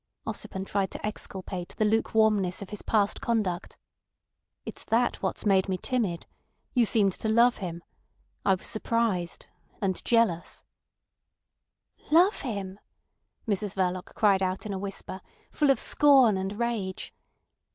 Ossipon tried to exculpate the lukewarmness of his past conduct. "It's that what's made me timid. You seemed to love him. I was surprised—and jealous," he added. "Love him!" Mrs Verloc cried out in a whisper, full of scorn and rage.